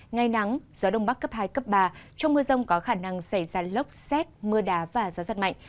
ngày nắng gió đông bắc cấp hai cấp ba trong mưa rông có khả năng xảy ra lốc xét mưa đá và gió rất mạnh